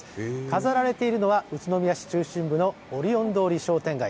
飾られているのは、宇都宮市中心部のオリオン通り商店街。